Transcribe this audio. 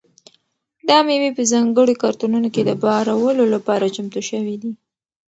دا مېوې په ځانګړو کارتنونو کې د بارولو لپاره چمتو شوي دي.